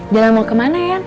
jalan mau kemana ya